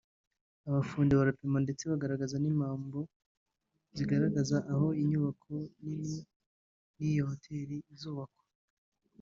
abafundi barapima ndetse bashinga n’imambo zigaragaza aho inyubako nini y’iyo hoteli izubakwa